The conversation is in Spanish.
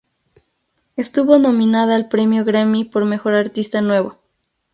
Estuvo nominada al Premio Grammy por mejor artista nuevo.